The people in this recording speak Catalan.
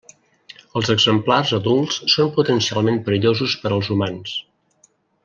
Els exemplars adults són potencialment perillosos per als humans.